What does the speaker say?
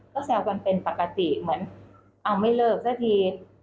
เขาแซวกันเป็นปกติเหมือนอ้าวไม่เลิกซะที